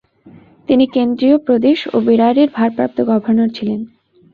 তিনি কেন্দ্রীয় প্রদেশ ও বেরারের ভারপ্রাপ্ত গভর্নর ছিলেন।